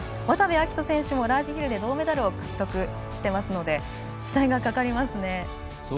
渡部暁斗選手もラージヒルで銅メダルを獲得しているので期待がかかりますね。